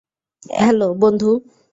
Hello, বন্ধু।